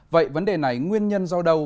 vậy vấn đề này nguyên nhân do đâu